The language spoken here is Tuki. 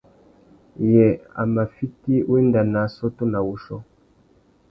Yê a mà fiti wenda nà assôtô nà wuchiô?